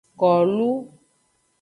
Kolu.